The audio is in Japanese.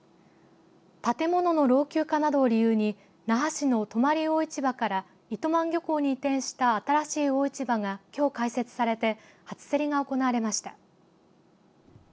建物の老朽化などを理由に那覇市の泊魚市場から糸満漁港に移転した新しい魚市場がきょう開設されて初競りが行われました。